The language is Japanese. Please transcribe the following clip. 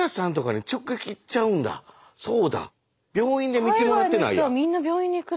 そうだ病院で診てもらってないや。